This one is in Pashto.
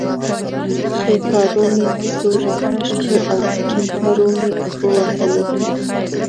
ښی پارو مې په زور راکش کړ او په کیڼ پارو مې اوبه ووهلې.